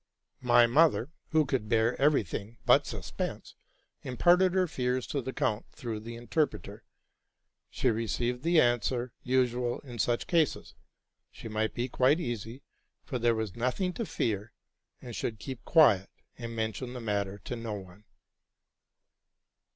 My mother, who could bear every thing but suspense, imparted her fears to the count through the interpreter. She received the answer usual in such cases : she might be quite easy, for there was nothing to fear; and should 'keep quiet, and mention the matter to no one.